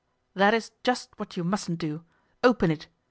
'That is just what you mustn't do. Open it.